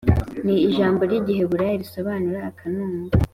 Ni ijambo ry igiheburayo risobanura akanunga